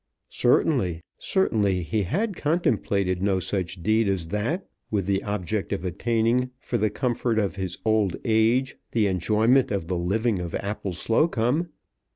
Certainly, certainly he had contemplated no such deed as that, with the object of obtaining for the comfort of his old age the enjoyment of the living of Appleslocombe!